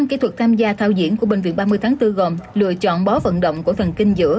năm kỹ thuật tham gia thao diễn của bệnh viện ba mươi tháng bốn gồm lựa chọn bó vận động của phần kinh dưỡng